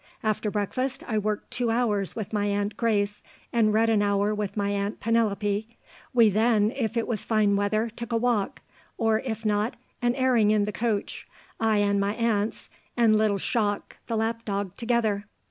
After breakfast I worked two hours with my aunt Grace, and read an hour with my aunt Penelope; we then, if it was fine weather, took a walk; or, if not, an airing in the coach, I and my aunts, and little Shock, the lap dog, together.